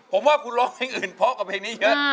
ผมว่าคุณร้องเพลงอื่นเพราะกับเพลงนี้เยอะ